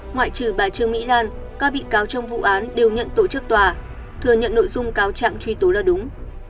ngoại trừ bà trương mỹ lan các bị cáo trong vụ án đều nhận tổ chức tòa thừa nhận nội dung cáo trạng truy tố là đúng